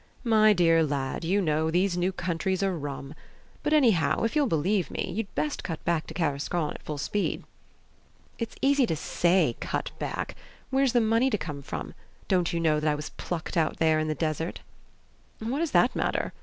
"My dear lad, you know, these new countries are 'rum!' But, anyhow, if you'll believe me, you'd best cut back to Tarascon at full speed." "It's easy to say, 'Cut back.' Where's the money to come from? Don't you know that I was plucked out there in the desert?" "What does that matter?"